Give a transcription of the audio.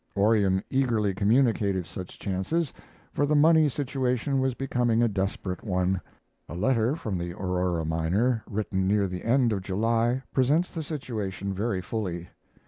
Orion eagerly communicated such chances, for the money situation was becoming a desperate one. A letter from the Aurora miner written near the end of July presents the situation very fully.